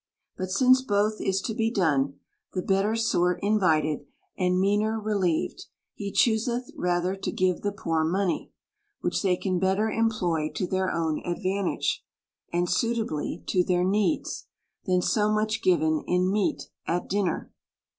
But since both is to be done, the better sort invited, and meaner relieved, he chooseth rather to give the poor money ; which they can better employ to their own advantage, and suitably to their needs, than so much given in meat at dinner.